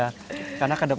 karena kedepannya benar sekali